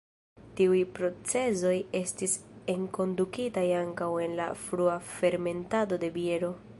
Tiuj procezoj estis enkondukitaj ankaŭ en la frua fermentado de biero.